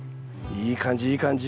いい感じいい感じ。